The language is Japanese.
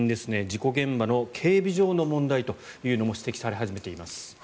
事故現場の警備上の問題というのも指摘され始めています。